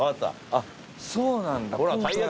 あっそうなんだ。